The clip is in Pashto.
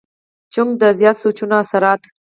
چونکه د زيات سوچونو اثرات